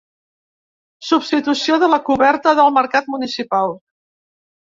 Substitució de la coberta del mercat municipal.